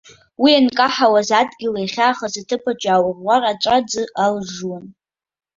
Уи анкаҳауаз адгьыл иахьаахаз аҭыԥаҿ иааурӷәӷәар, аҵәа-ӡы алыжжуан.